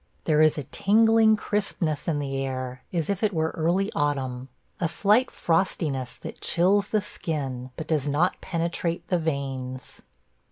There is a tingling crispness in the air as if it were early autumn – a slight frostiness that chills the skin, but does not penetrate the veins.